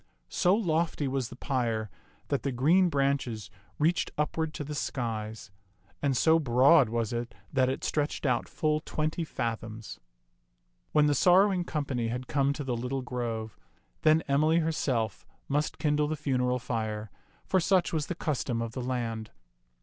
So lofty was the pyre that the green branches reached upward to 50 t^t Mnx^^fB tak the skies; and so broad was it that it stretched out full twenty fathoms. When the sorrowing company had come to the lit tle grove, then Emily herself must kindle the funeral fire, for such was the custom of the land.